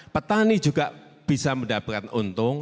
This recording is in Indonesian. petani juga bisa mendapatkan untung